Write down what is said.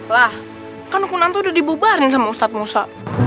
lah kan kunanto udah dibubarin sama ustadz musa